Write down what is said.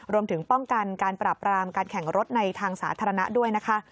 รวมถึงป้องกันการปรับรามการแข่งรถในทางสาธารณะด้วยนะคะ